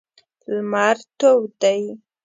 لمر تود دی.